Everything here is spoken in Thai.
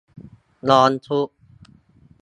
ร้องทุกข์